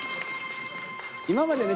今までね